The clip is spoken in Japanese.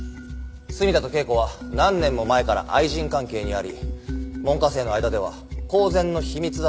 墨田と桂子は何年も前から愛人関係にあり門下生の間では公然の秘密だったそうです。